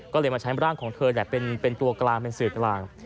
ก็เลยมาใช้ร่างของเธอเป็นตัวกลางเป็นสื่อกลาง